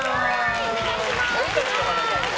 お願いします！